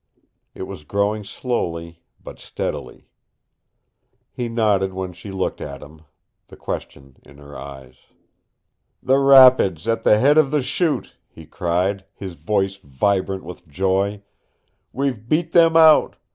It was growing slowly but steadily. He nodded when she looked at him, the question in her eyes. "The rapids at the head of the Chute!" he cried, his voice vibrant with joy. "We've beat them out.